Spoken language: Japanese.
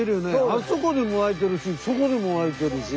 あそこでも湧いてるしそこでも湧いてるし。